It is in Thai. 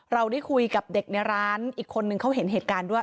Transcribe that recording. เราได้คุยกับเด็กในร้านอีกคนนึงเขาเห็นเหตุการณ์ด้วย